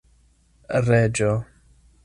reĝo